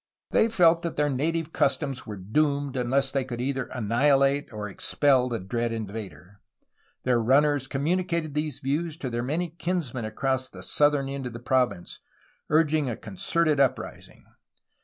They felt that their native customs were doomed unless they could either annihilate or expel the dread invader. Their ruiiners com municated these views to their many kinsmen across the southern end of the province, urging a concerted uprising.